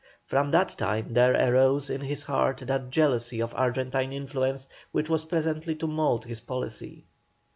From that time there arose in his heart that jealousy of Argentine influence which was presently to mould his policy.